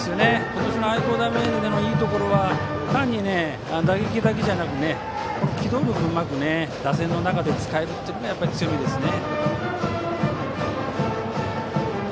今年の愛工大名電のいいところは単に打撃だけじゃなく機動力をうまく打線の中で使えるのも強みですね。